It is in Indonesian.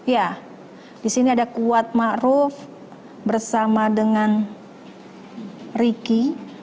ya disini ada kuat ma'ruf bersama dengan riki